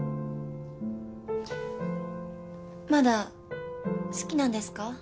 まだ好きなんですか？